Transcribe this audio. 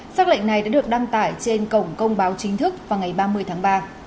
xác lệnh này đã được đăng tải trên cổng công báo chính thức vào ngày ba mươi tháng ba